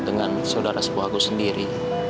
dengan saudara sebuah aku sendiri